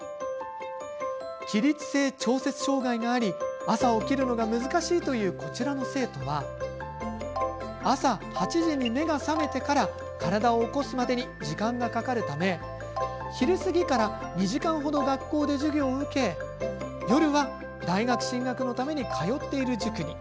起立性調節障害があり朝、起きるのが難しいというこちらの生徒は朝、８時に目が覚めてから体を起こすまでに時間がかかるため昼過ぎから２時間程学校で授業を受け夜は大学進学のために通っている塾に。